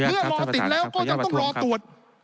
เมื่อรอติดแล้วก็ยังต้องรอตรวจ